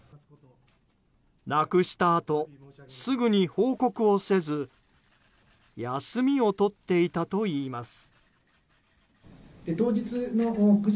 なくしたあと、すぐに報告をせず休みを取っていたといいます。